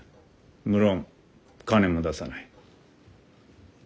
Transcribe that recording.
無論金も出さない。